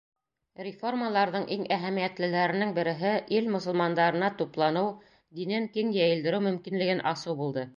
Реформаларҙың иң әһәмиәтлеләренең береһе ил мосолмандарына тупланыу, динен киң йәйелдереү мөмкинлеген асыу булды.